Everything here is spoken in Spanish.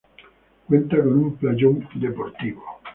Cuenta con un playón deportivo.